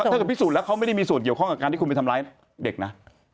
ถ้าเกิดพิสูจน์แล้วเขาไม่ได้มีส่วนเกี่ยวข้องกับการที่คุณไปทำร้ายเด็กนะ